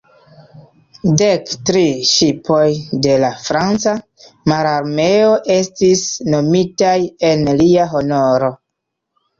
Dek tri ŝipoj de la Franca Mararmeo estis nomitaj en lia honoro.